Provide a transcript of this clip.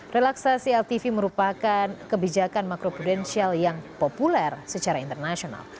relaksasi ltv merupakan kebijakan makro prudensial yang populer secara internasional